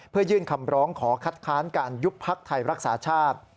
เพื่อยื่นคำร้องขอคัดค้านการยุบพักไทยรักษาชาติ